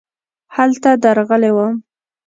هلته درغلې وم .